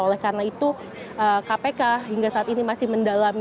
oleh karena itu kpk hingga saat ini masih mendalami